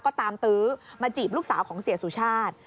ก็ตามตื้อมาจีบลูกสาวของเสียสุชาติ